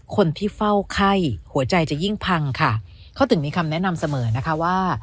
คนที่เฝ้าไข้หัวใจจะยิ่งพังค่ะเขาถึงมีคำแนะนำเสมอนะคะว่า